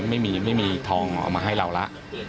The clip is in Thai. ไม่มีทองเอามาให้เราแล้ว